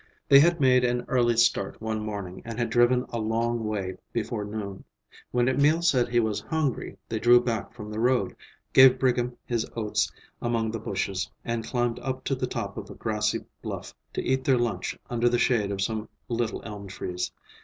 They had made an early start one morning and had driven a long way before noon. When Emil said he was hungry, they drew back from the road, gave Brigham his oats among the bushes, and climbed up to the top of a grassy bluff to eat their lunch under the shade of some little elm trees.